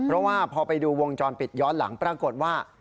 เพราะว่าพอไปดูวงจรปิดย้อนหลังปรากฏว่า